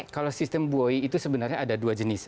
kalau sistem buoy itu sebenarnya ada dua jenis